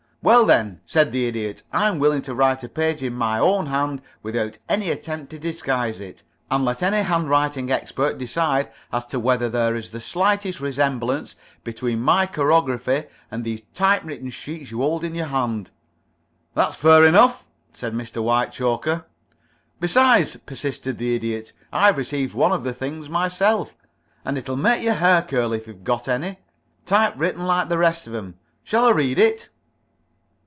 "Well, then," said the Idiot, "I'm willing to write a page in my own hand without any attempt to disguise it, and let any handwriting expert decide as to whether there is the slightest resemblance between my chirography and these typewritten sheets you hold in your hand." "That's fair enough," said Mr. Whitechoker. "Besides," persisted the Idiot, "I've received one of the things myself, and it'll make your hair curl, if you've got any. Typewritten like the rest of 'em. Shall I read it?"